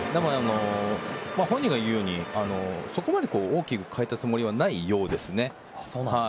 本人が言うにそこまで大きく変えたつもりはないようですね。